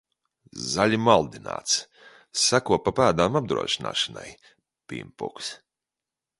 Zaļi maldināts. Seko pa pēdām apdrošināšanai. Pimpuks.